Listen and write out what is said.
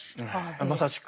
まさしく。